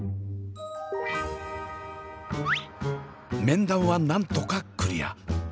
面談はなんとかクリア。